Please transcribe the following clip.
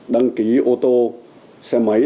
đăng ký ô tô xe máy